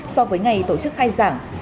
so với ngày tổ chức khai giảng